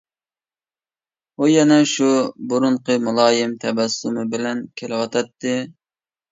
ئۇ يەنە شۇ بۇرۇنقى مۇلايىم تەبەسسۇمى بىلەن كېلىۋاتاتتى.